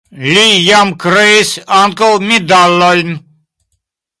Li jam kreis ankaŭ medalojn.